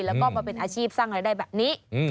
แล้วก็มาเป็นอาชีพสร้างรายได้แบบนี้